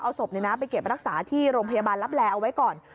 เอาศพไปเก็บรักษาที่โรงพยาบาลลับแลเอาไว้ก่อน